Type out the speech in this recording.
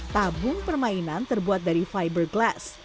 tabung permainan terbuat dari fiberglass